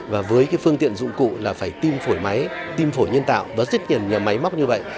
và với phương tiện dụng cụ là phải tiêm phổi máy tiêm phổi nhân tạo và rất nhiều máy móc như vậy